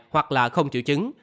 hoặc là không chịu chứng